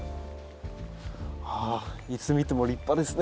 ああいつ見ても立派ですね。